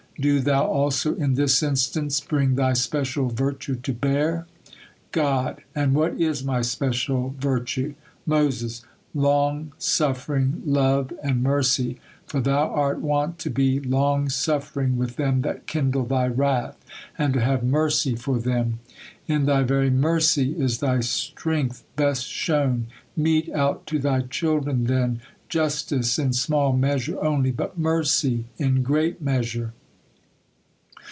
Do Thou also in this instance bring Thy special virtue to bear." God: "And what is My special virtue?" Moses: "Long suffering, love, and mercy, for Thou art wont to be long suffering with them that kindle Thy wrath, and to have mercy for them. In Thy very mercy is Thy strength best shown. Mete out to Thy children, then, justice in small measure only, but mercy in great measure."